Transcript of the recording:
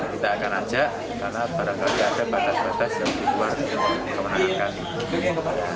kita akan ajak karena barangkali ada batas batas yang di luar kewenangan kami